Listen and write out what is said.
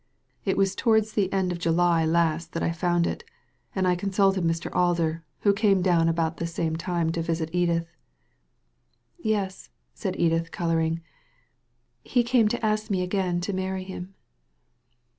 It was towards the end of July last that I found it, and I consulted Mr. Alder, who came down about the same time to visit Edith." "Yes," said Edith, colouring. "He came to ask me again to marry him."